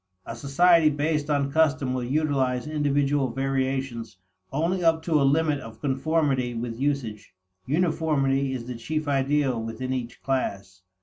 A society based on custom will utilize individual variations only up to a limit of conformity with usage; uniformity is the chief ideal within each class.